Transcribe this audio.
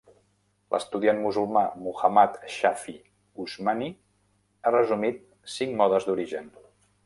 L"estudiant musulmà Muhammad Shafi Usmani ha resumit cinc modes d"origen.